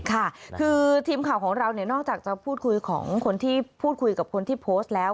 ค่ะคือทีมข่าวของเราเนี่ยนอกจากจะพูดคุยของคนที่พูดคุยกับคนที่โพสต์แล้ว